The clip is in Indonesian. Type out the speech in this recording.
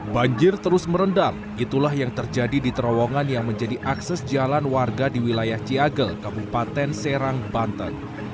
banjir terus merendam itulah yang terjadi di terowongan yang menjadi akses jalan warga di wilayah ciagel kabupaten serang banten